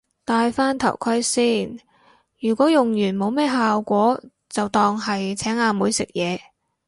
戴返頭盔先，如果用完冇咩效果就當係請阿妹食嘢